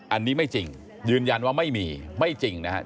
อันนี้ไม่จริงยืนยันว่าไม่มีไม่จริงนะครับ